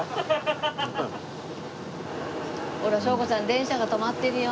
ほら翔子ちゃん電車が止まってるよ。